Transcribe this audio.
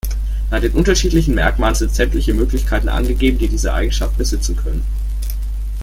Bei den unterschiedlichen Merkmalen sind sämtliche Möglichkeiten angegeben, die diese Eigenschaft besitzen können.